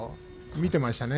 見ていましたね。